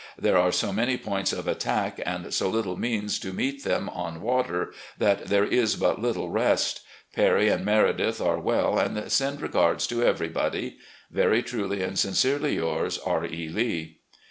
There are so many points of attack, and so little means to meet them on water, that there is but little rest. ... Perry and Meredith are well and send regards to everybody. ... "Very truly and sincerely yours, "R. E. Lee."